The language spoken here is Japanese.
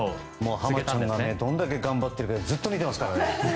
濱田さんがどれだけ頑張ってるかずっと見てますからね。